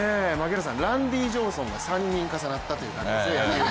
ランディ・ジョンソンが３人重なったという感じですね。